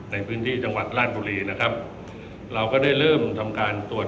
ในพื้นที่จังหวัดราชบุรีนะครับเราก็ได้เริ่มทำการตรวจ